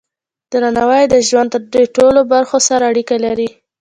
درناوی د ژوند د ټولو برخو سره اړیکه لري.